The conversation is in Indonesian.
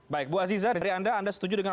baik bu aziza dari anda anda setuju dengan